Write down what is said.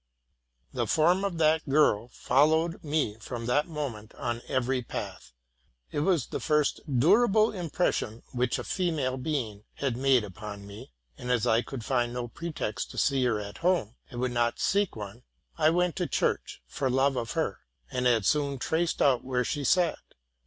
The form of that girl followed me from that moment on every path; it was the first durable impression which a female being had made upon me: and as I could find no pre text to see her at home, and would n6t seek one, I went to church for love of her, and had soon traced out where she sat.